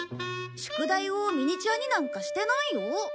宿題をミニチュアになんかしてないよ。